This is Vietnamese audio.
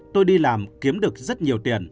tôi đi làm kiếm được rất nhiều tiền